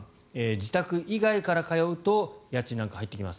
自宅以外から通うと家賃なんかが入ってきます。